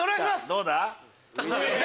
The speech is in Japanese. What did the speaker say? どうだ？